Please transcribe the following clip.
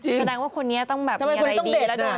แสดงว่าคนนี้ต้องมีอะไรดีและดังใจ